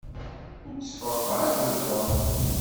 Ur teffɣeɣ ara akked Tom.